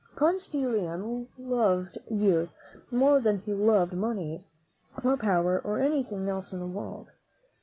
Ponce de Leon loved youth more than he loved money or power or anything else in the world.